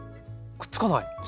くっつかない。